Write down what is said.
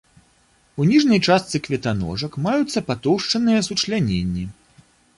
У ніжняй частцы кветаножак маюцца патоўшчаныя сучляненні.